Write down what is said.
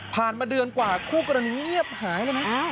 มาเดือนกว่าคู่กรณีเงียบหายเลยนะ